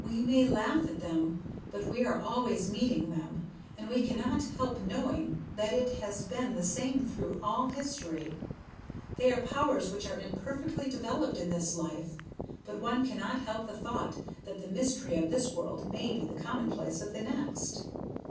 We may laugh at them, but we are always meeting them, and one cannot help knowing that it has been the same through all history. They are powers which are imperfectly developed in this life, but one cannot help the thought that the mystery of this world may be the commonplace of the next."